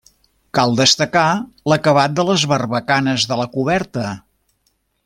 Cal destacar l'acabat de les barbacanes de la coberta.